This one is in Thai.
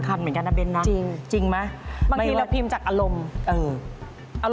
แต่เล่นไม่กว่าเป็นก็ค่ะ